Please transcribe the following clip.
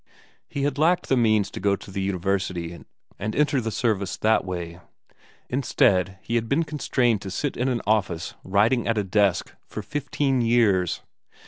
He had lacked the means to go to the university and enter the service that way; instead, he had been constrained to sit in an office, writing at a desk, for fifteen years.